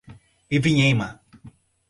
Ivinhema